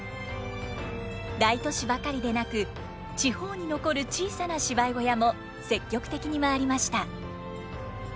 大都市ばかりでなく地方に残る小さな芝居小屋も積極的に回りました。